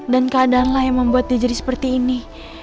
dan keadaan lah yang membuat dia jadi seperti ini